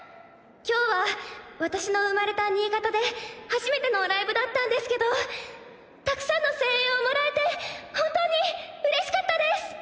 今日は私の生まれた新潟で初めてのライブだったんですけどたくさんの声援をもらえて本当にうれしかったです。